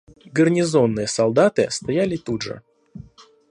Гарнизонные солдаты стояли тут же.